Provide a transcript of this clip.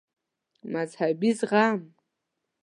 مذهبي زغم